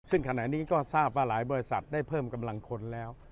ซึ่งขณะนี้ก็ทราบว่าหลายบริษัทได้เพิ่มกำลังคนแล้ว